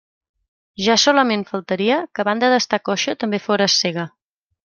Ja solament faltaria que a banda d'estar coixa també fores cega.